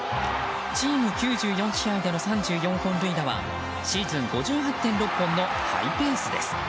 チーム９４試合での３４本塁打はシーズン５８．６本のハイペースです。